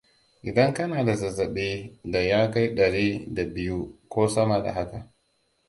idan kana da zazzaɓi da yakai ɗari da biyu ko sama da haka